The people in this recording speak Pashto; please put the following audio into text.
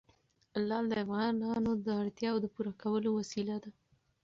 لعل د افغانانو د اړتیاوو د پوره کولو وسیله ده.